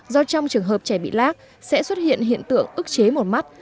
do trong trường hợp trẻ bị lác sẽ xuất hiện hiện tượng ức chế một mắt